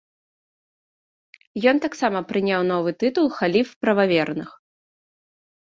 Ён таксама прыняў новы тытул халіф прававерных.